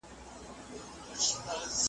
هغوی غواړي ملتونه داسې وروزي